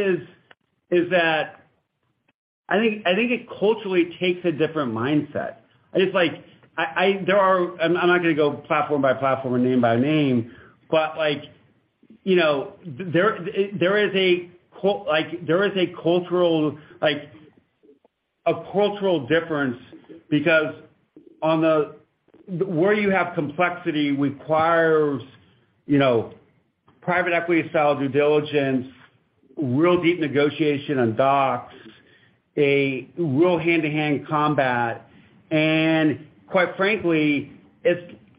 is that I think it culturally takes a different mindset. I just, like, I, there are, I'm not gonna go platform by platform or name by name, but, like, you know, there is a cultural, like a cultural difference because where you have complexity requires, you know, private equity style due diligence, real deep negotiation on docs, a real hand-to-hand combat. Quite frankly,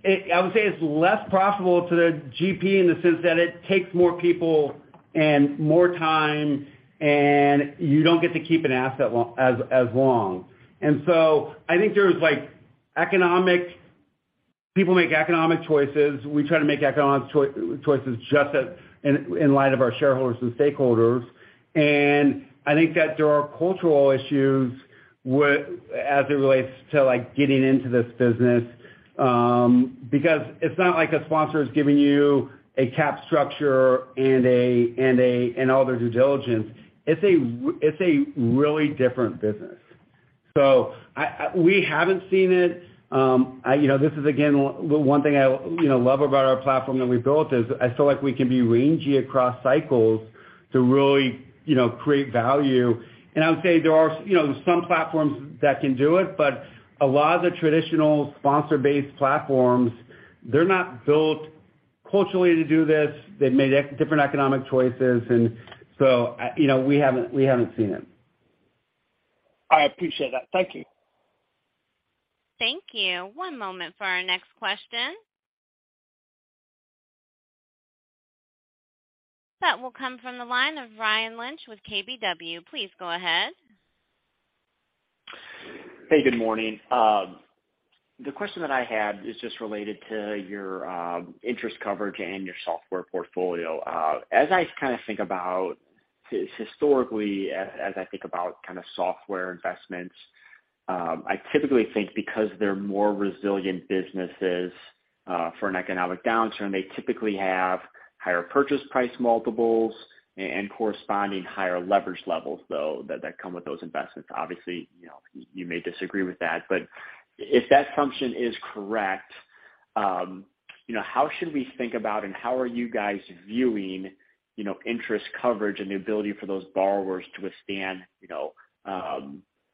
it's less profitable to the GP in the sense that it takes more people and more time, and you don't get to keep an asset as long. I think there's like economic. People make economic choices. We try to make economic choices just as in light of our shareholders and stakeholders. I think that there are cultural issues with as it relates to like getting into this business, because it's not like a sponsor is giving you a capital structure and all their due diligence. It's a really different business. We haven't seen it. You know, this is again, one thing I, you know, love about our platform that we built is I feel like we can be rangy across cycles to really, you know, create value. I would say there are, you know, some platforms that can do it, but a lot of the traditional sponsor-based platforms, they're not built culturally to do this. They've made different economic choices. You know, we haven't seen it. I appreciate that. Thank you. Thank you. One moment for our next question. That will come from the line of Ryan Lynch with KBW. Please go ahead. Hey, good morning. The question that I had is just related to your interest coverage and your software portfolio. As I kinda think about historically, as I think about kinda software investments, I typically think because they're more resilient businesses for an economic downturn, they typically have higher purchase price multiples and corresponding higher leverage levels though that come with those investments. Obviously, you know, you may disagree with that. If that assumption is correct, you know, how should we think about and how are you guys viewing, you know, interest coverage and the ability for those borrowers to withstand, you know,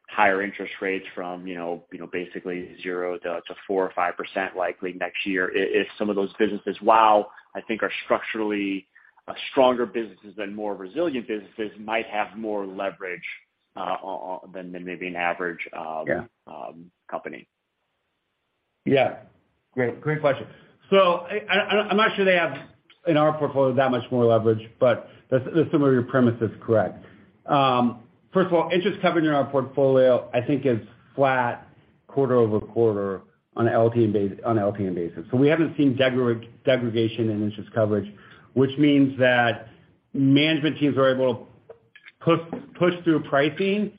higher interest rates from, you know, basically 0% to 4% or 5% likely next year if some of those businesses, while I think are structurally stronger businesses than more resilient businesses, might have more leverage than maybe an average. Yeah. Company. Yeah. Great question. I'm not sure they have in our portfolio that much more leverage, but the sum of your premise is correct. First of all, interest coverage in our portfolio, I think is flat quarter-over-quarter on an LT basis. We haven't seen degradation in interest coverage, which means that management teams are able to push through pricing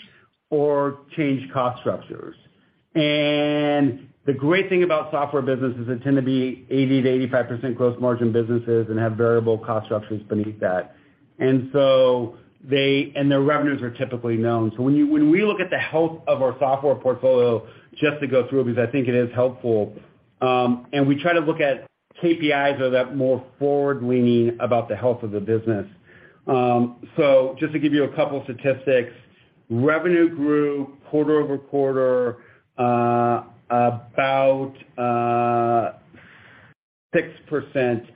or change cost structures. The great thing about software business is they tend to be 80%-85% gross margin businesses and have variable cost structures beneath that. Their revenues are typically known. When we look at the health of our software portfolio, just to go through it because I think it is helpful, and we try to look at KPIs or that more forward-leaning about the health of the business. So just to give you a couple statistics, revenue grew quarter-over-quarter about 6%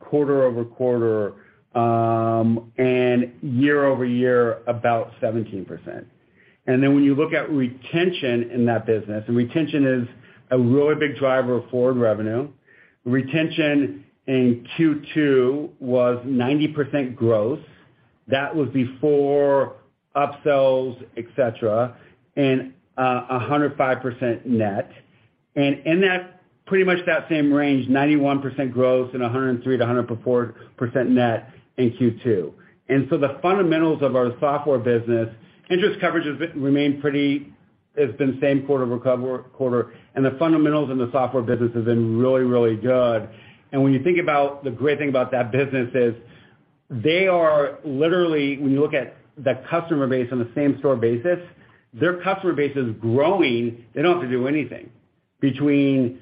quarter-over-quarter, and year-over-year about 17%. Then when you look at retention in that business, retention is a really big driver of forward revenue. Retention in Q2 was 90% growth. That was before upsells, et cetera, and 105% net. In that, pretty much that same range, 91% growth and 103%-104% net in Q2. The fundamentals of our software business, interest coverage has remained pretty. It's been the same quarter-over-quarter. The fundamentals in the software business has been really, really good. When you think about the great thing about that business is they are literally, when you look at the customer base on the same store basis, their customer base is growing. They don't have to do anything besides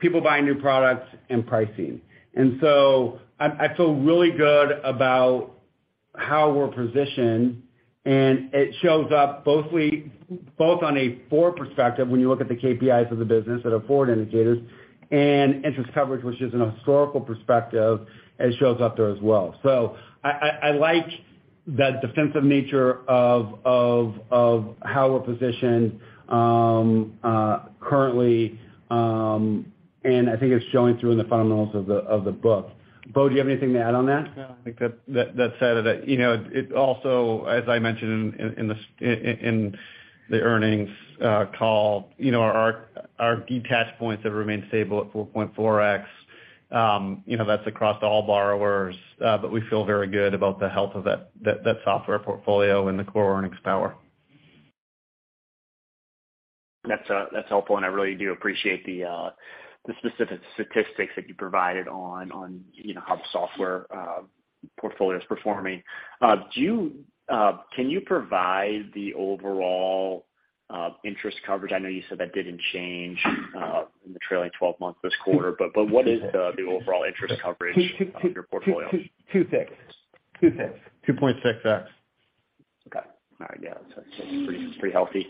people buying new products and pricing. I feel really good about how we're positioned, and it shows up both on a forward perspective when you look at the KPIs of the business that are forward indicators and interest coverage, which is a historical perspective, and it shows up there as well. I like the defensive nature of how we're positioned currently, and I think it's showing through in the fundamentals of the book. Bo, do you have anything to add on that? No, I think that said it. You know, it also, as I mentioned in the earnings call, you know, our debt multiples have remained stable at 4.4x. You know, that's across all borrowers, but we feel very good about the health of that software portfolio and the core earnings power. That's helpful, and I really do appreciate the specific statistics that you provided on, you know, how the software portfolio is performing. Can you provide the overall interest coverage? I know you said that didn't change in the trailing twelve months this quarter, but what is the overall interest coverage of your portfolio? Two, six. Two six. 2.6x. Okay. All right. Yeah. That's pretty healthy.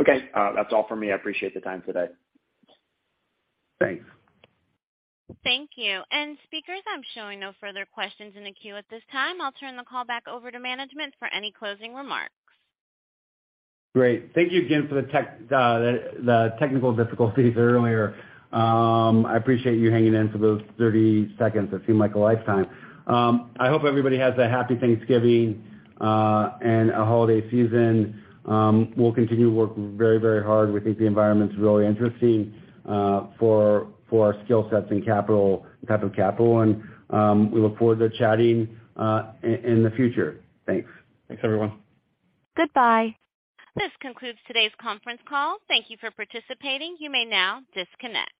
Okay. That's all for me. I appreciate the time today. Thanks. Thank you. Speakers, I'm showing no further questions in the queue at this time. I'll turn the call back over to management for any closing remarks. Great. Thank you again for the technical difficulties earlier. I appreciate you hanging in for those 30 seconds that seemed like a lifetime. I hope everybody has a happy Thanksgiving and a holiday season. We'll continue to work very hard. We think the environment's really interesting for our skill sets and capital, type of capital. We look forward to chatting in the future. Thanks. Thanks, everyone. Goodbye. This concludes today's conference call. Thank you for participating. You may now disconnect.